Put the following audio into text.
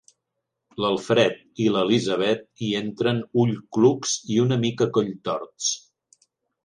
L'Alfred i l'Elisabet hi entren ullclucs i una mica colltorts.